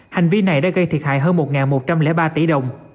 hành vi này đã gây thiệt hại hơn một một trăm linh ba tỷ đồng